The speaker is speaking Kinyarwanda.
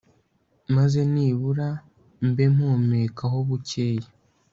maze nibura mbe mpumekaho bukeya